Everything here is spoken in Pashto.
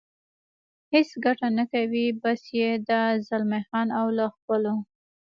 هېڅ ګټه نه کوي، بس یې ده، زلمی خان او له خپلو.